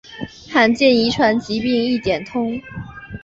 罕见遗传疾病一点通